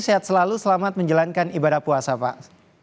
sehat selalu selamat menjalankan ibadah puasa pak